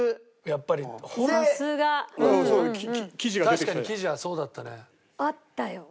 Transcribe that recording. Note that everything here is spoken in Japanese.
確かに生地はそうだったね。あったよ。